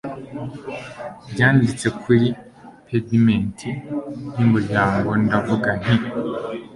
byanditse kuri pedimenti yumuryango ndavuga nti